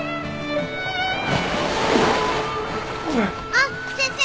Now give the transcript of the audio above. あっ先生。